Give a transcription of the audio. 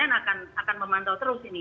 akan memantau terus ini